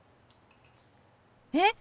えっ！